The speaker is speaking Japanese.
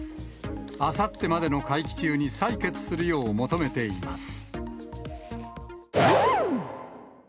あさってまでの会期中に採決するよう求めています。